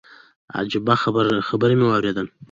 عجيبه خبرې مې اورېدلې.